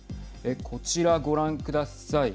こちらご覧ください。